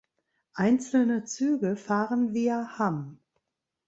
Einzelne Züge fahren via Hamm.